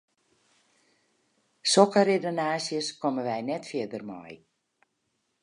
Sokke redenaasjes komme wy net fierder mei.